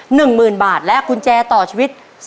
หมื่นบาทและกุญแจต่อชีวิต